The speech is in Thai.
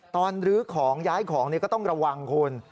ตอนรื้อของย้ายของนี้ก็ต้องระวังคุณ